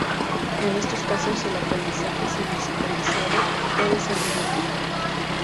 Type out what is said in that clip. En estos casos, el aprendizaje semi-supervisado puede ser muy útil.